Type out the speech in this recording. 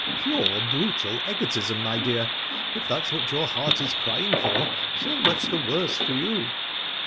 "Pure, brutal egotism, my dear. If that's what your heart is crying for, so much the worse for you."